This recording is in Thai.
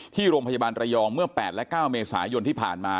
ที่โรงพยาบาลระยองเมื่อ๘และ๙เมษายนที่ผ่านมา